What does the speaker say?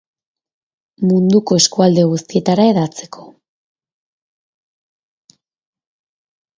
Munduko eskualde guztietara hedatzeko.